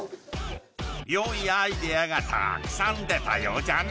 よいアイデアがたくさん出たようじゃな。